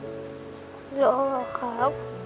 รู้หรอครับ